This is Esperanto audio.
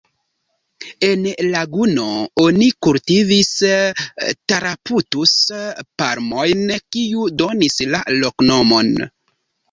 En laguno oni kultivis Taraputus-palmojn, kiu donis la loknomon.